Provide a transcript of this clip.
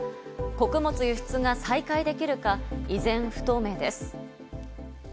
穀物輸出が再開できるか、依然不透明です。